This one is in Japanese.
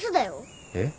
えっ？